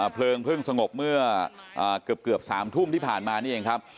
เพลิงเพิ่งสงบเมื่อเกือบ๓ทุ่มที่ผ่านมานี่เองครับ